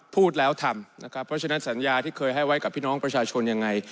พูดแล้วทำนะครับเพราะฉะนั้นสัญญาที่เคยให้ไว้กับพี่น้องประชาชนยังไง